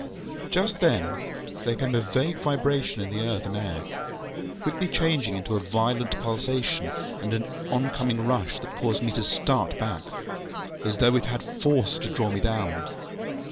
Just then there came a vague vibration in the earth and air, quickly changing into a violent pulsation, and an oncoming rush that caused me to start back, as though it had force to draw me down.